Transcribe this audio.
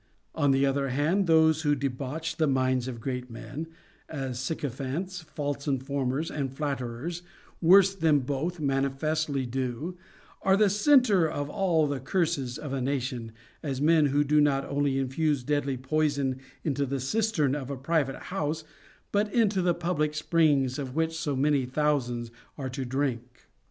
On the other hand, those who debauch the minds of great men — as sycophants, false informers, and flatterers, worse than both, manifestly do — are the centre of all the curses of a nation, as men who do not only infuse deadly poison into the cistern of a private house, but into the public springs of which so many thousands are to drink.